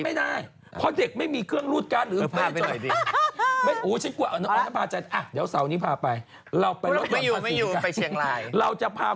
ไม่ได้เพราะเด็กไม่มีเครื่องรูดการหรือภาพไปหน่อยดิอ๋อฉันกลัว